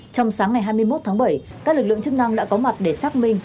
trong sáng ngày hai mươi một tháng bảy các lực lượng chức năng đã có mặt để xác minh